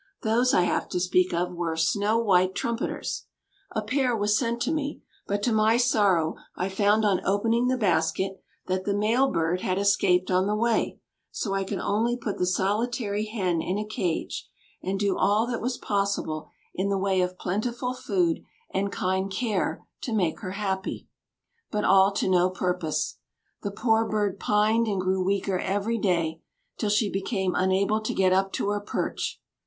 Those I have to speak of were snow white trumpeters. A pair was sent to me, but, to my sorrow, I found on opening the basket that the male bird had escaped on the way; so I could only put the solitary hen in a cage, and do all that was possible in the way of plentiful food and kind care to make her happy; but all to no purpose. The poor bird pined and grew weaker every day, till she became unable to get up to her perch.